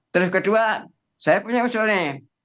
terus kedua saya punya usulnya